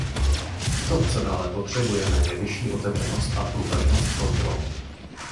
To co dále potřebujeme, je vyšší otevřenost a průhlednost kontrol.